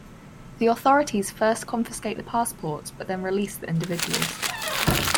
The authorities first confiscate the passports but then release the individuals.